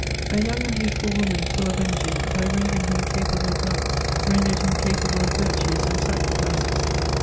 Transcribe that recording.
A young and beautiful woman, full of energy, by rendering him capable of love rendered him capable of yu*tues and sacri fices.